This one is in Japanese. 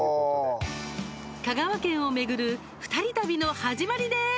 香川県を巡る２人旅の始まりです。